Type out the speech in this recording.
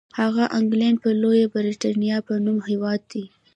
هغه انګلنډ یا لویه برېټانیا په نوم هېواد دی.